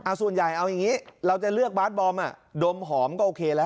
ส่วนใหญ่เอาอย่างนี้เราจะเลือกบาสบอมอ่ะดมหอมก็โอเคแล้ว